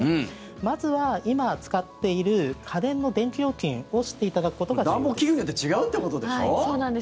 まずは、今使っている家電の電気料金を知っていただくことが重要です。